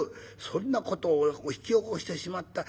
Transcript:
そんな事を引き起こしてしまった。